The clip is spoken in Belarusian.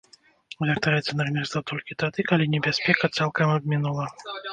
Вяртаецца на гняздо толькі тады, калі небяспека цалкам абмінула.